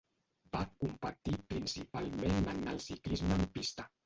Va competir principalment en el ciclisme en pista.